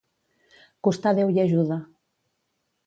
Costar Déu i ajuda.